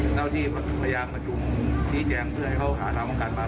เจ้าที่พยายามประชุมพิจารณ์ให้เขาอาจารย์ป้องกันมา